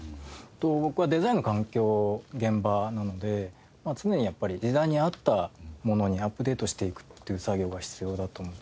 僕はデザインの環境現場なので常にやっぱり時代に合ったものにアップデートしていくっていう作業が必要だと思ってます。